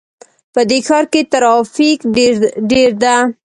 په دې ښار کې ترافیک ډېر ده